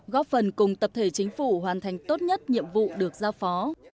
góp phần cùng tập thể chính phủ hoàn thành tốt nhất nhiệm vụ được giao phó